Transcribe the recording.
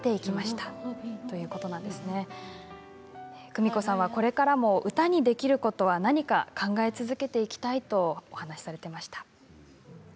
クミコさんは、これからも歌にできることは何か考え続けていきたいと話をされていました。